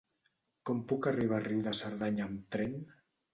Com puc arribar a Riu de Cerdanya amb tren?